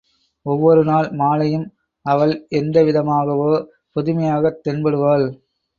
ஒவ்வொருநாள் மாலையும் அவள் எந்த விதமாகவோ புதுமையாகத் தென்படுவாள்.